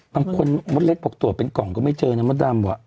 บางคนไหมดเล็กบอกตรวจเป็นกล่องก็ไม่เจร๊ห์นะแม้ดำว่ะ